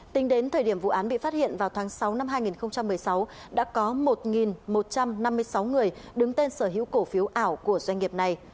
tính đến thời điểm vụ án bị phát hiện vào tháng sáu năm hai nghìn một mươi sáu đã có một một trăm năm mươi sáu người đứng tên sở hữu cổ phiếu ảo của doanh nghiệp này